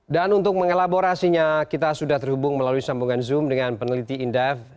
dan untuk mengelaborasinya kita sudah terhubung melalui sambungan zoom dengan peneliti indef